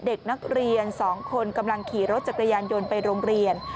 เด็กนักเรียน๒คนกำลังขี่รถจักรยานยนต์ไปโรงเรียน